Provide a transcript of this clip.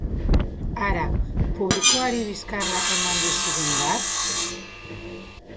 Hara, publikoari bizkarra emanda bizi den bat?